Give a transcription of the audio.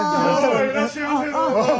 いらっしゃいませどうぞ。